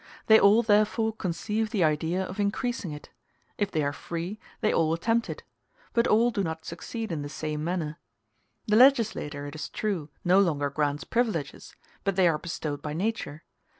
They all therefore conceive the idea of increasing it; if they are free, they all attempt it, but all do not succeed in the same manner. The legislature, it is true, no longer grants privileges, but they are bestowed by nature.